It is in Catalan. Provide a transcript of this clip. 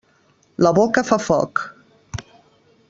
La boca fa foc.